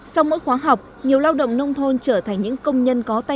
sau mỗi khoáng học nhiều lao động nông thôn trở thành những công nhân có tay